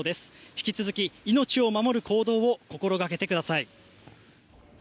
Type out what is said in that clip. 引き続き、命を守る行動を心掛けてください。